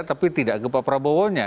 tapi tidak ke pak prabowo nya